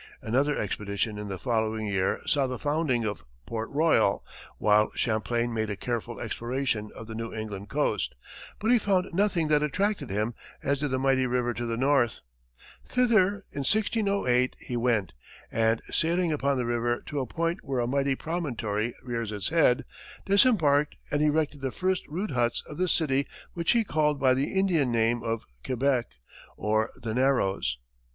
Another expedition in the following year saw the founding of Port Royal, while Champlain made a careful exploration of the New England coast, but he found nothing that attracted him as did the mighty river to the north. Thither, in 1608, he went, and sailing up the river to a point where a mighty promontory rears its head, disembarked and erected the first rude huts of the city which he called by the Indian name of Quebec, or "The Narrows."